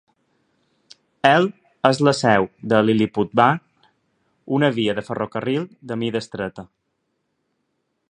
El és la seu del Liliputbahn, una via de ferrocarril de mida estreta.